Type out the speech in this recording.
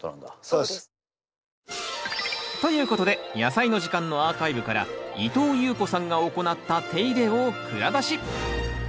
そうです。ということで「やさいの時間」のアーカイブから伊藤裕子さんが行った手入れを蔵出し。